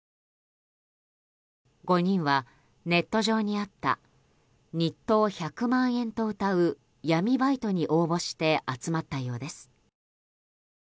５人はネットにあった日当１００万円とうたう闇バイトに応募して集まったようです。